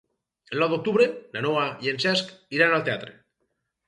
El nou d'octubre na Noa i en Cesc iran al teatre.